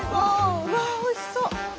うわおいしそう。